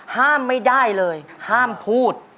ห้ามไม่ได้เลยห้ามพูด